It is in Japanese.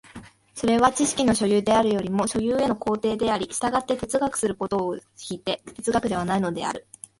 それは知識の所有であるよりも所有への行程であり、従って哲学することを措いて哲学はないのである。